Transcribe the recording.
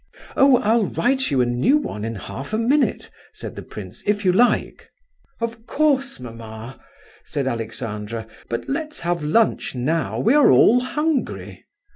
"Oh, I'll write you a new one in half a minute," said the prince, "if you like!" "Of course, mamma!" said Alexandra. "But let's have lunch now, we are all hungry!"